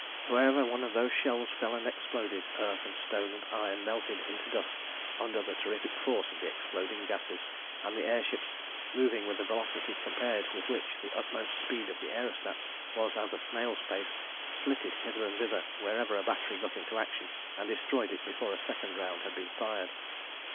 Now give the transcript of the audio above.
Wherever one of those shells fell and exploded, earth and stone and iron melted into dust under the terrific force of the exploding gases, and the air ships, moving with a velocity compared with which the utmost speed of the aerostats was as a snail's pace, flitted hither and thither wherever a battery got into action, and destroyed it before the second round had been fired.